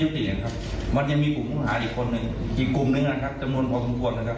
อีกกลุ่มนึงน่ะครับจำนวนภาพมุทธนะครับ